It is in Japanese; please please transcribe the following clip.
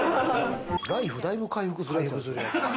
ライフ、だいぶ回復するやつ。